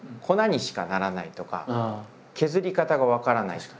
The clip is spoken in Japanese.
「粉にしかならない」とか「削り方が分からない」。